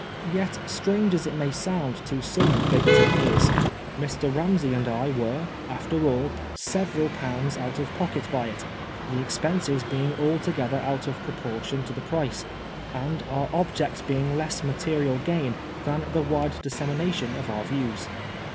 Yet, strange as it may sound to some bigoted ears, Mr. Ramsey and I were after all several pounds out of pocket by it, the expenses being altogether out of proportion to the price, and our object being less material gain than the wide dissemination of our views.